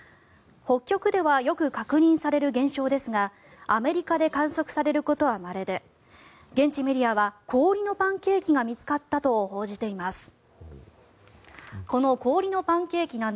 北極ではよく確認される現象ですがアメリカで観測されることはまれで現地メディアは氷のパンケーキが見つかったと報じています。